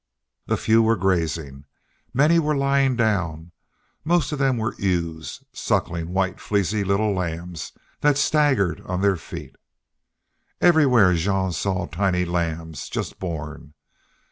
A few were grazing; many were lying down; most of them were ewes suckling white fleecy little lambs that staggered on their feet. Everywhere Jean saw tiny lambs just born.